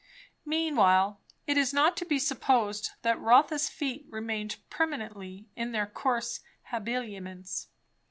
Meanwhile, it is not to be supposed that Rotha's feet remained permanently in their coarse habiliments.